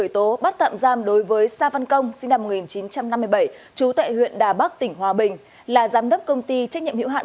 trú tại huyện đà bắc tỉnh hòa bình là giám đốc công ty trách nhiệm hiệu hạn